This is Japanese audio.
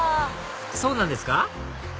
そうなんですか？